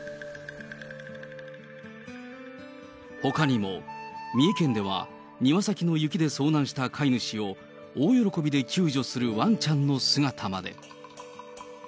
ほかにも、三重県では庭先の雪で遭難した飼い主を、大喜びで救助するわんちゃんの姿まで。